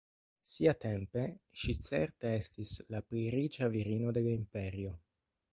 Siatempe ŝi certe estis la plej riĉa virino de la imperio.